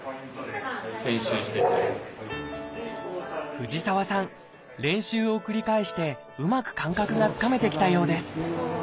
藤沢さん練習を繰り返してうまく感覚がつかめてきたようです